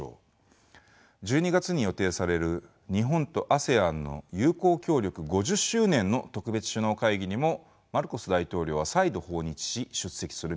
１２月に予定される日本とＡＳＥＡＮの友好協力５０周年の特別首脳会議にもマルコス大統領は再度訪日し出席する見込みです。